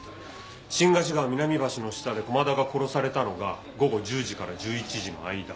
新河岸川南橋の下で駒田が殺されたのが午後１０から１１時の間。